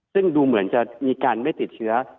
ซึ่งดูเหมือนจะมีการไม่ติดเชื้อ